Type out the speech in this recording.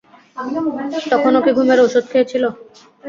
তখনও কি ঘুমের ঔষধ খেয়েছিল?